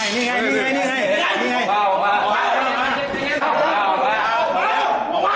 นี่ไงนี่ไงนี่ไงนี่ไงนี่ไงออกมาออกมาออกมาออกมาออกมาออกมาออกมา